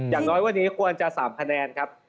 อย่างน้อยวันนี้ควรจะ๓คะแนนครับ